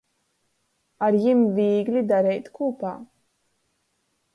Ar jim vīgli dareit kūpā.